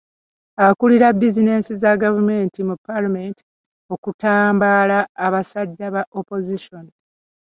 Akulira bbizineesi za gavumenti mu Paalamenti okutambaala abasajja ba Opozisoni.